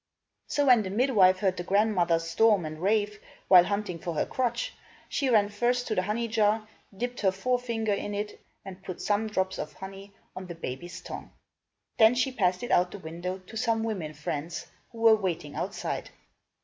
So when the midwife heard the grandmother storm and rave, while hunting for her crutch, she ran first to the honey jar, dipped her forefinger in it and put some drops of honey on the baby's tongue. Then she passed it out the window to some women friends, who were waiting outside.